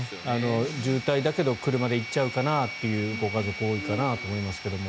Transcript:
渋滞だけど車で行っちゃうかなというご家族が多いかなと思いますけども。